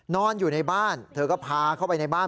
นอนอยู่ในบ้านเธอก็พาเข้าไปในบ้าน